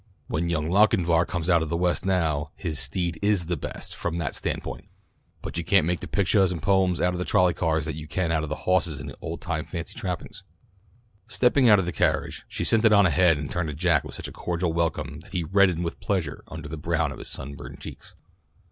When young Lochinvar comes out of the West now, his 'steed is the best' from that standpoint, but you can't make the pictuahs and poems out of trolley cars that you can out of hawses in those old time fancy trappings." Stepping out of the carriage, she sent it on ahead and turned to Jack with such a cordial welcome that he reddened with pleasure under the brown of his sunburned cheeks.